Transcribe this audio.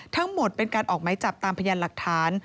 ทั้งหมดเป็นการออกไหมจับตามพยานหลักฐาน